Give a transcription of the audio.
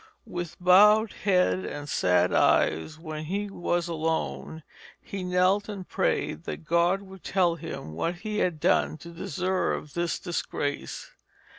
With bowed head and sad eyes when he was alone, he knelt and prayed that God would tell him what he had done to deserve this disgrace.